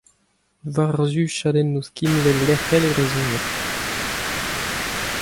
War-zu chadennoù skinwel lecʼhel e brezhoneg ?